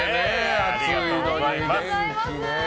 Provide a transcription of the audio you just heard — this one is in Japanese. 暑いのに元気で。